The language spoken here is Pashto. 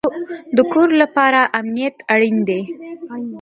د کور لپاره امنیت اړین دی